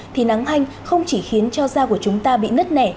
thì nắng hanh không chỉ khiến cho da của chúng ta bị nứt nẻ